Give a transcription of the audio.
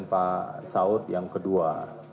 pak saud yang kedua